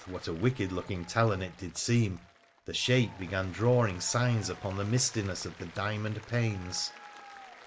what a wicked looking talon it did seem! — the shape began drawing signs upon the mistiness of the diamond panes.